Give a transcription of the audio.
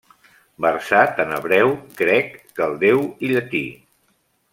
Versat en hebreu, grec, caldeu i llatí.